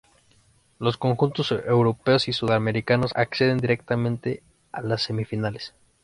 Los conjuntos europeos y sudamericanos acceden directamente a las semifinales.